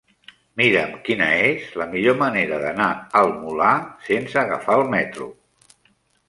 Mira'm quina és la millor manera d'anar al Molar sense agafar el metro.